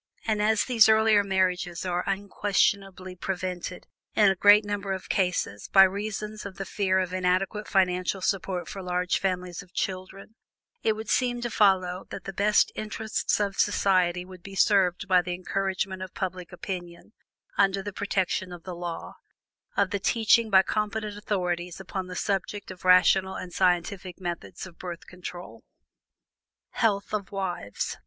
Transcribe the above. And as these earlier marriages are unquestionably prevented in a great number of cases by reasons of the fear of inadequate financial support for large families of children, it would seem to follow that the best interests of society would be served by the encouragement by public opinion, under the protection of the law, of the teaching by competent authorities upon the subject of rational and scientific methods of Birth Control. HEALTH OF WIVES.